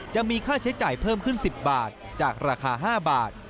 จะมีค่าใช้จ่ายเพิ่มขึ้น๑๐บาทจากราคา๕บาท